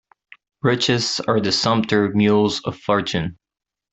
Riches are the sumpter mules of fortune.